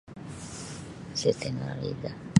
Siti Nurhaliza.